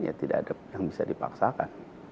ya tidak ada yang bisa dipaksakan